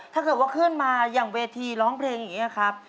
ถ้าเกิดว่าขึ้นมาอย่างเวทีร้องเพลงอย่างนี้ครับ